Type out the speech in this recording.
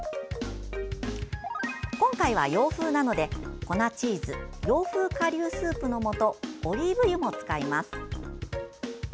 今回は洋風なので粉チーズ、洋風顆粒スープのもとオリーブ油も使います。